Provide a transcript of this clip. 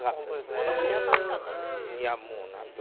太田さん、優しかったですね